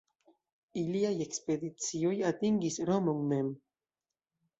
Iliaj ekspedicioj atingis Romon mem.